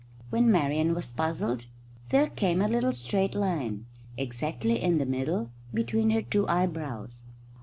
When Marian was puzzled there came a little straight line, exactly in the middle, between her two eyebrows.